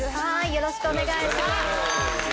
よろしくお願いします。